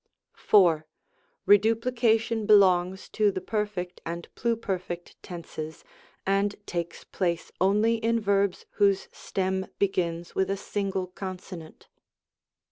Reduplication belongs to the Perfect and Plu perfect tenses, and takes place only in verbs whose stem begins with a single consonant.